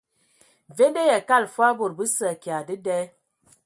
Mvende yʼakala fə bod bəsə akya dəda.